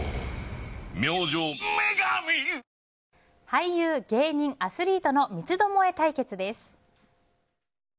俳優、芸人、アスリートの三つどもえ対決です。